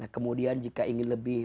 kemudian jika ingin lebih